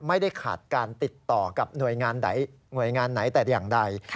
ไม่ได้ขาดการติดต่อกับหน่วยงานหน่วยงานไหนแต่อย่างใด